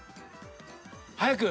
早く。